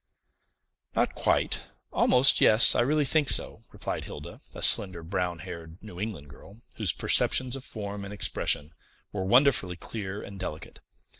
"Not quite almost yes, I really think so," replied Hilda, a slender, brown haired, New England girl, whose perceptions of form and expression were wonderfully clear and delicate.